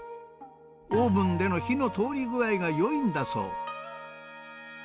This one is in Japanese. オーブンでの火の通り具合がよいんだそう。